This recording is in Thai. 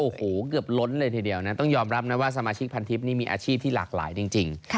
โอ้โหเกือบล้นเลยทีเดียวนะต้องยอมรับนะว่าสมาชิกพันทิพย์นี่มีอาชีพที่หลากหลายจริง